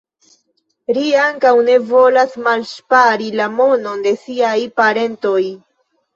Ri ankaŭ ne volas malŝpari la monon de siaj parentoj.